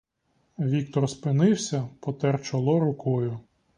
Віктор спинився, потер чоло рукою.